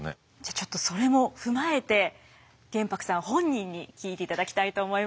あちょっとそれも踏まえて玄白さん本人に聞いていただきたいと思います。